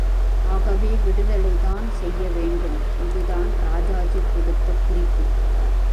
ஆகவே விடுதலை தான் செய்யவேண்டும். இதுதான் ராஜாஜி கொடுத்த குறிப்பு.